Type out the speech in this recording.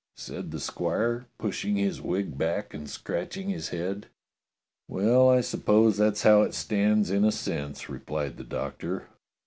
^" said the squire, pushing his wig back and scratching his head. "Well, I suppose that's how it stands in a sense," replied the Doctor.